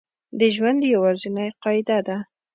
د ژوند یوازینۍ قاعده ده